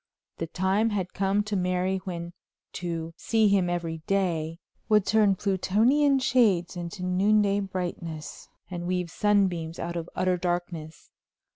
The time had come to Mary when to "see him every day" would turn Plutonian shades into noonday brightness and weave sunbeams out of utter darkness.